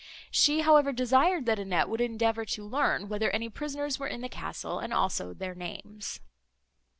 She, however, desired that Annette would endeavour to learn whether any prisoners were in the castle, and also their names.